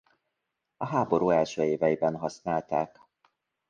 A háború első éveiben használták.